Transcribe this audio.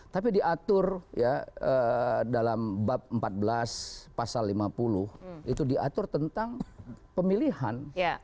tapi diatur dalam bab empat belas pasal lima puluh itu diatur tentang pemilihan